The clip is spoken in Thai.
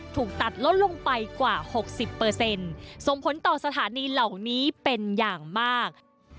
ถูกตัดลดลงไปกว่า๖๐ส่งผลต่อสถานีเหล่านี้เป็นอย่างมาก